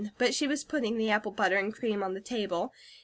But she was putting the apple butter and cream on the table.